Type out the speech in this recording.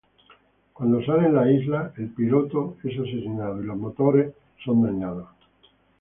Cuando salen la isla, el piloto es asesinado y los motores son dañados.